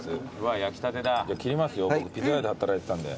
切りますよ。